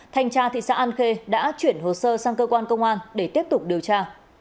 thanh tra thị xã an khê đã chuyển hồ sơ sang cơ quan công an để tiếp tục điều tra